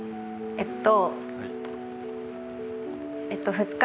えっと。